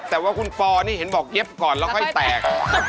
แต่ว่าคุณปอนี่เห็นบอกเย็บก่อนแล้วค่อยแตก